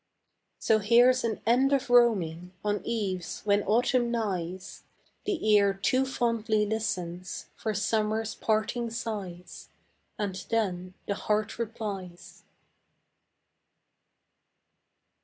So here's an end of roaming On eves when autumn nighs: The ear too fondly listens For summer's parting sighs, And then the heart replies.